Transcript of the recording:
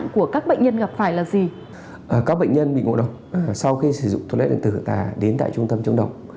khi chúng ta đến tại trung tâm chống độc